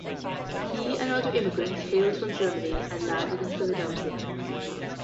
He and other immigrants hailed from Germany and landed in Philadelphia.